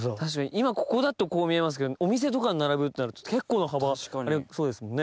今ここだとこう見えますけどお店とかに並ぶってなると結構な幅ありそうですもんね。